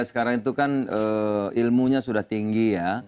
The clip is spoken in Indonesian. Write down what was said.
sekarang itu kan ilmunya sudah tinggi ya